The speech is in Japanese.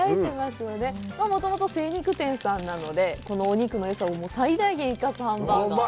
もともと精肉店さんなので、このお肉のよさを最大限生かすハンバーガー。